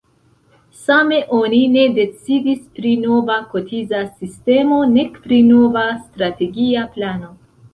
Same oni ne decidis pri nova kotiza sistemo, nek pri nova strategia plano.